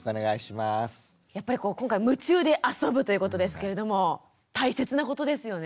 やっぱり今回「夢中であそぶ」ということですけれども大切なことですよね。